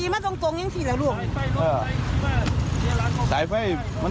มันลนลงมาเลยเหรอติดใส่